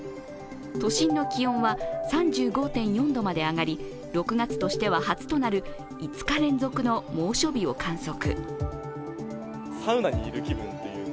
都心の気温は３５．４度まで上がり６月としては初となる５日連続の猛暑日を観測。